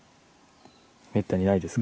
めったにないですか。